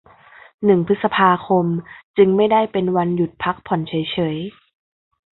หนึ่งพฤษภาคม จึงไม่ได้เป็นวันหยุดพักผ่อนเฉยเฉย